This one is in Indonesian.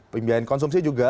pembiayaan konsumsi juga